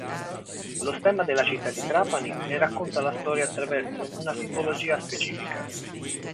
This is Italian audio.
Lo stemma della Città di Trapani ne racconta la storia attraverso una simbologia specifica.